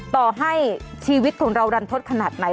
ต่อให้ชีวิตของเรารันทศขนาดไหน